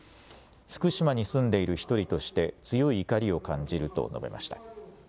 福島に住んでいる１人として強い怒りを感じると述べました。